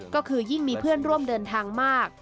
ก็คือยิ่งมีเพื่อนร่วมเดินทางมาก